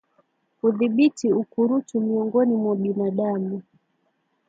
Kudhibiti ukurutu miongoni mwa binadamu